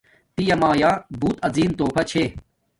پیامایا بوت عظیم تُوفہ چھے